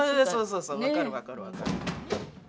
そうそうそう分かる分かる分かる。